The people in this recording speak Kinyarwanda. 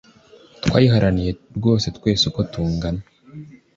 twayiharaniye rwose twese uko tungana